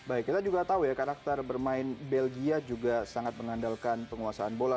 baik kita juga tahu ya karakter bermain belgia juga sangat mengandalkan penguasaan bola